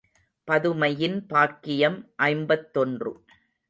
பதுமையின் பாக்கியம் ஐம்பத்தொன்று.